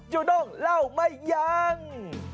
ูด้งเล่าไม่ยัง